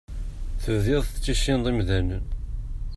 Tebdiḍ tettissineḍ imdanen.